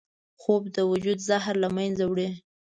خوب د وجود زهر له منځه وړي